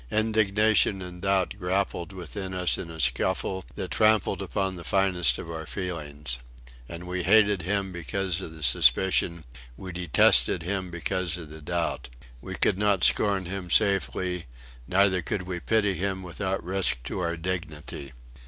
Indignation and doubt grappled within us in a scuffle that trampled upon the finest of our feelings. And we hated him because of the suspicion; we detested him because of the doubt. We could not scorn him safely neither could we pity him without risk to our dignity.